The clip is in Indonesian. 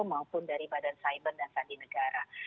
maupun dari badan cyber dan sandi negara